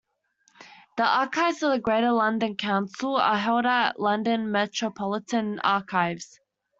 The archives of the Greater London Council are held at London Metropolitan Archives.